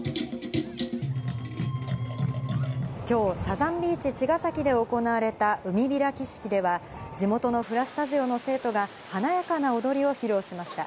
きょう、サザンビーチちがさきで行われた海開き式では、地元のフラスタジオの生徒が、華やかな踊りを披露しました。